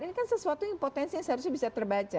ini kan sesuatu yang potensi yang seharusnya bisa terbaca